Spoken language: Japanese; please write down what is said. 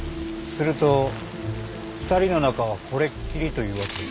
すると二人の仲はこれっきりというわけ？